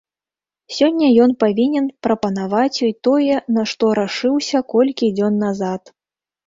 Сёння ён павінен прапанаваць ёй тое, на што рашыўся колькі дзён назад.